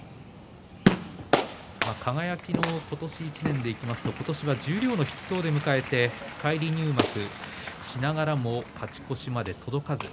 輝の今年１年でいいますと今年は十両の筆頭で迎えて返り入幕しながらも勝ち越しに届かず。